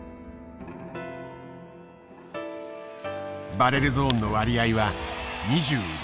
バレルゾーンの割合は２６％。